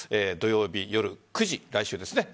土曜日夜９時、来週です。